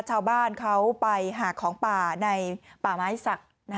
ชาวบ้านเขาไปหาของป่าในป่าไม้สัก